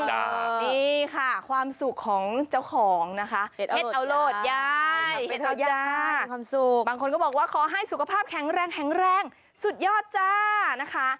นี่ค่ะความสุขของเจ้าของนะคะเห็ดเอาโลดยายเห็ดเอายายมีความสุขบางคนก็บอกว่าขอให้สุขภาพแข็งแรงแข็งแรงสุดยอดจ้านะคะ